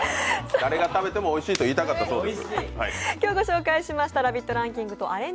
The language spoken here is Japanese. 誰が食べてもおいしいと言いたかったそうです。